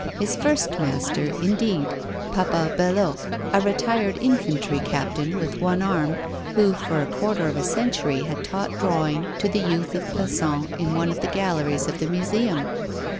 His first master indeed, Papa Belloque, a retired infantry captain, with one arm, who for a quarter of a century had taught drawing to the youth of Plassans in one of the galleries of the Museum!